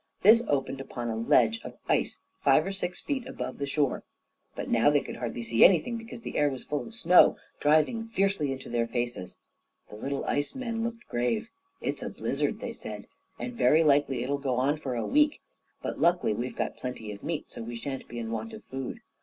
This opened upon a ledge of ice, five or six feet above the shore, but now they could hardly see anything, because the air was full of snow, driving fiercely into their faces. The little ice men looked grave. "It's a blizzard," they said, "and very likely it'll go on for a week. But luckily we've got plenty of meat, so that we shan't be in want of food."